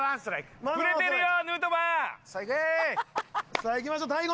さあいきましょう大悟